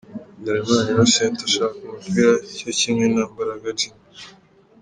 Habyarimana Innocent ashaka umupira cyo kimwe na Mbaraga Jimmy.